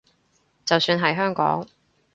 就算係香港